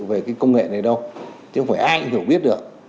thế này đâu chứ không phải ai cũng hiểu biết được